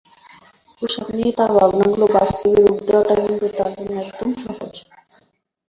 পোশাক নিয়ে তাঁর ভাবনাগুলো বাস্তবে রূপ দেওয়াটা কিন্তু তাঁর জন্য একদম সহজ।